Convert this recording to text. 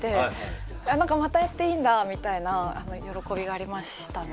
何かまたやっていいんだみたいな喜びがありましたね。